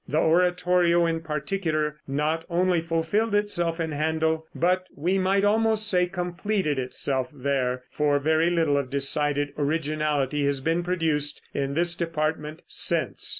The oratorio, in particular, not only fulfilled itself in Händel, but we might almost say completed itself there, for very little of decided originality has been produced in this department since.